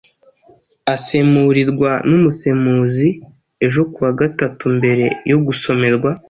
Asemurirwa n’umusemuzi ejo kuwa gatatu mbere yo gusomerwa,